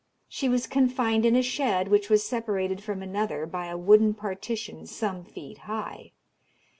She was confined in a shed, which was separated from another by a wooden partition some feet high.